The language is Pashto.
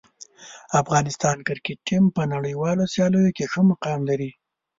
افغانستان کرکټ ټیم په نړیوالو سیالیو کې ښه مقام لري.